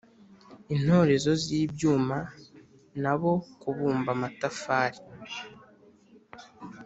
intorezo z ibyuma n abo kubumba amatafari